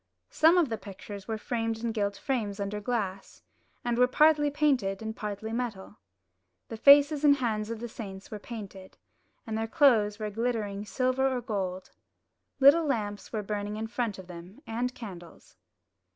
Some of the pictures were framed in gilt frames under glass, and were partly painted and partly metal. The faces and hands of the saints were painted, and their clothes were glittering silver or gold. Little lamps were burning in front of them, and candles.